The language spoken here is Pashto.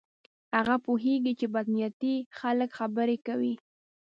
هغه پوهیږي چې بد نیتي خلک خبرې کوي.